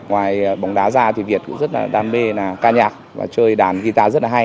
ngoài bóng đá ra thì việt cũng rất là đam mê là ca nhạc và chơi đàn guitar rất là hay